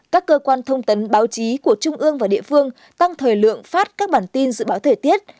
các cơ quan thông tấn báo chí của trung ương và địa phương tăng thời lượng phát các bản tin dự báo thời tiết